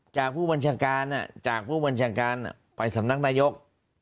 จากผู้บัญชาการจากผู้บัญชาการไปสำนักนายก